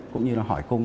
cũng như là hỏi cung